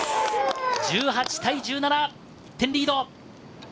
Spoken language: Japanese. １８対１７、１点リード。